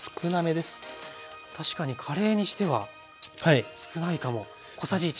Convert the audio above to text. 確かにカレーにしては少ないかも。